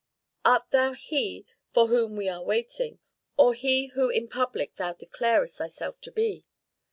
"Art thou he for whom we are waiting, or he who in public thou declarest thyself to be?"